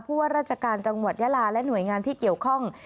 ว่าราชการจังหวัดยาลาและหน่วยงานที่เกี่ยวข้อง